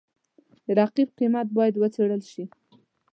د رقیب قیمت باید وڅېړل شي.